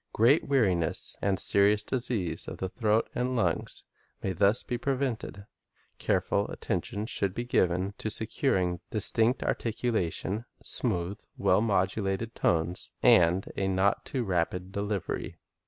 Great weariness and serious dis ease of the throat and lungs may thus be prevented. Careful attention should be given to securing distinct articulation, smooth, well modulated tones, and a not too rapid delivery.